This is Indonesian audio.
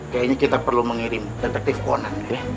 kayaknya kita perlu mengirim detektif ponan ya